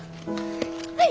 はい。